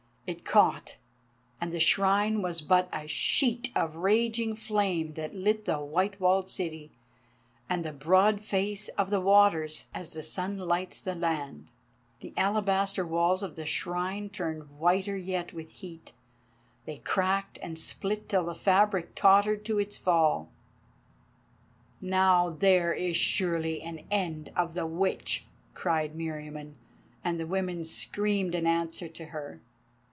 It caught, and the Shrine was but a sheet of raging flame that lit the white walled city, and the broad face of the waters, as the sun lights the lands. The alabaster walls of the Shrine turned whiter yet with heat: they cracked and split till the fabric tottered to its fall. "Now there is surely an end of the Witch," cried Meriamun, and the women screamed an answer to her.